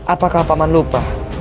apakah paman lupa